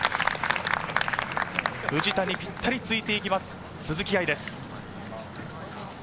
藤田にぴったりついて行きます、鈴木愛です。